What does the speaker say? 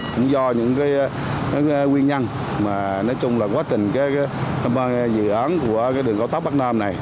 cũng do những nguyên nhân mà nói chung là quá trình dự án của đường cao tốc bắc nam này